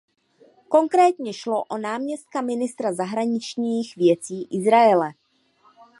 Konkrétně šlo o náměstka ministra zahraničních věcí Izraele.